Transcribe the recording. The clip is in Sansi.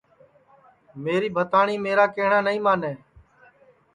میری بھتاٹؔی میرا کیہٹؔا نائی مانے